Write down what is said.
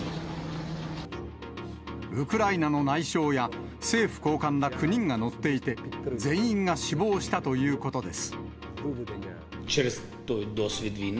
ウクライナの内相や政府高官ら９人が乗っていて、全員が死亡したということです。